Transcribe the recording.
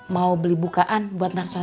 mau beli bukaan buat nanti sore